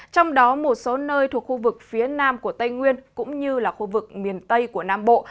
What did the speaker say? trong đó một số nơi thuộc khu vực phía nam của tây nguyên cũng như là khu vực miền tây của nam bộ